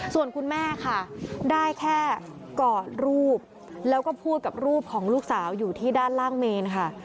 ส่วนคุณแม่ค่ะได้แค่กอดรูปแล้วก็พูดกับรูปของลูกสาวอยู่ที่ด้านล่างเมนค่ะ